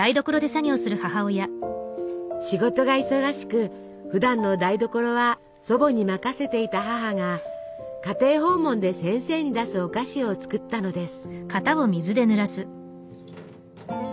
仕事が忙しくふだんの台所は祖母に任せていた母が家庭訪問で先生に出すお菓子を作ったのです。